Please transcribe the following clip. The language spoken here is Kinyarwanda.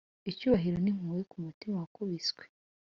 icyubahiro n'impuhwe kumurima wakubiswe,